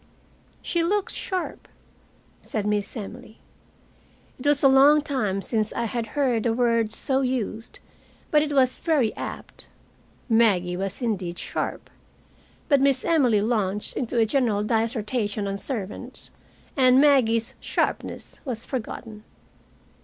"She looks sharp," said Miss Emily. It was a long time since I had heard the word so used, but it was very apt. Maggie was indeed sharp. But Miss Emily launched into a general dissertation on servants, and Maggie's sharpness was forgotten.